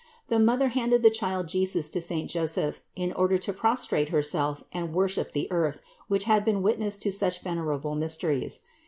The Mother handed the Child Jesus to saint 498 CITY OF GOD Joseph in order to prostrate Herself and worship the earth which had been witness to such venerable mysteries.